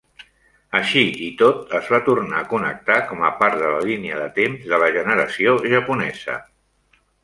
Així i tot, es va tornar a connectar com a part de la línia de temps de la Generació Japonesa.